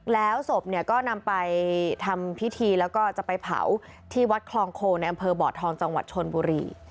แล้วศพเนี่ยก็นำไปทำพิธีแล้วก็จะไปเผาที่วัดคลองโคในอำเภอบ่อทองจังหวัดชนบุรี